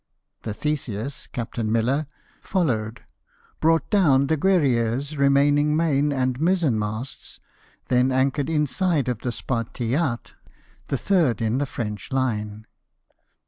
The Theseus, Captain Miller, followed, brought down the Guerriers remaining main and mizen masts, then anchored inside of the Spartiate, the third in the French line.